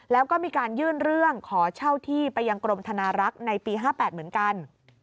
แล้วก็มีการยื่นเรื่องขอเช่าที่ไปยังกรมธนารักษ์ในปี๕๘เหมือนกัน